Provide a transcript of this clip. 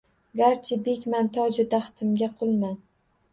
Garchi bekman, toju taxtimga qulman